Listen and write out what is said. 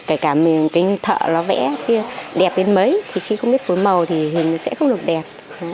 kể cả mình cái thợ nó vẽ kia đẹp đến mấy thì khi không biết cách phối màu thì hình sẽ không được đẹp